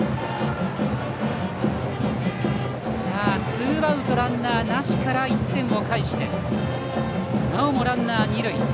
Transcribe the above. ツーアウトランナーなしから１点を返してなおもランナー、二塁。